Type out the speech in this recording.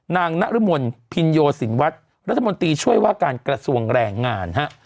นางนรมนพินโยสินวัฒน์รัฐมนตรีช่วยว่าการกระทรวงแรงงานฮะ